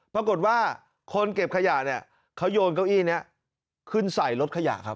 ปรากฏว่าคนเก็บขยะเนี่ยเขาโยนเก้าอี้นี้ขึ้นใส่รถขยะครับ